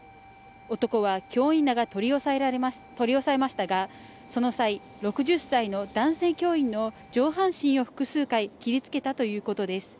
男は教員らが取り押さえましたが、その際、６０歳の男性教員の上半身を複数回切りつけたということです。